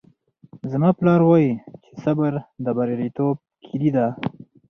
زما پلار وایي چې صبر د بریالیتوب کیلي ده